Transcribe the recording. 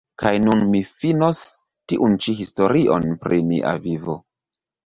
Kaj nun mi finos tiun-ĉi historion pri mia vivo.